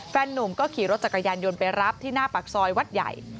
นุ่มก็ขี่รถจักรยานยนต์ไปรับที่หน้าปากซอยวัดใหญ่